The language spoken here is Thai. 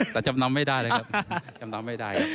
แต่จำนำไม่ได้เลยครับ